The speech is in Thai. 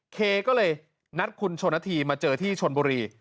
เคก็เลยนัดคุณชนนาธีมาเจอที่ชนบุรี